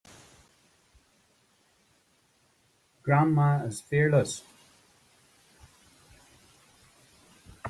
Grandma is fearless.